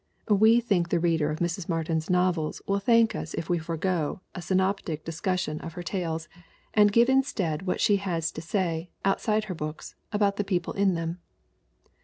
We think the reader of Mrs. Martin's novels will thank us if we forego a synoptic discussion of her 220 THE WOMEN WHO MAKE OUR NOVELS tales and give instead what she has to say, outside her books, about the people in them.